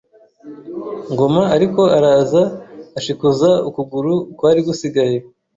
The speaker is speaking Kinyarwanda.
Ngoma ariko araza ashikuza ukuguru kwari gusigaye